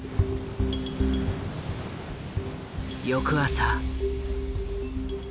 翌朝。